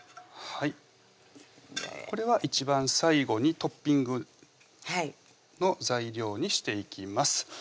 これは一番最後にトッピングの材料にしていきます